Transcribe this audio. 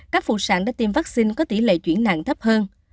các phụ sản đã tiêm vaccine có tỷ lệ chuyển nạn thấp hơn